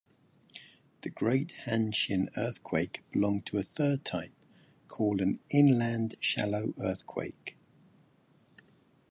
The Great Hanshin earthquake belonged to a third type, called an "inland shallow earthquake".